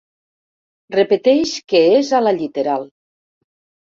Repeteix que és a la lliteral.